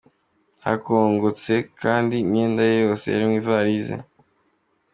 Hakongotse kandi imyenda ye yose yari mu ivalisi.